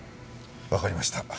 わかりました。